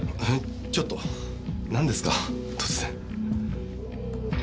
ちょっとなんですか突然。